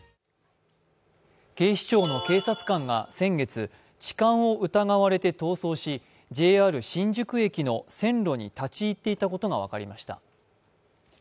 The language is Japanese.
警視庁の警察官が先月痴漢を疑われて逃走しＪＲ新宿駅の線路に立ち入っていたことが分かりました。